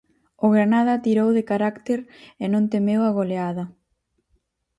O Granada tirou de carácter e non temeu á goleada.